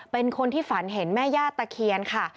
เป็นคนที่ฝันเห็นแม่ย่าตะเคียนค่ะ